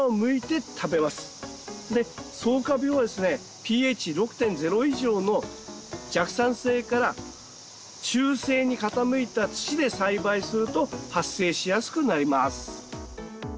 でそうか病はですねｐＨ６．０以上の弱酸性から中性に傾いた土で栽培すると発生しやすくなります。